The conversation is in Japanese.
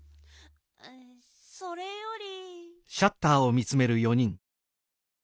それより。